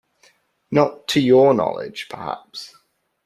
Not to your knowledge, perhaps?